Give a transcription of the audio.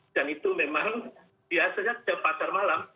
dan itu memang biasanya pasar malam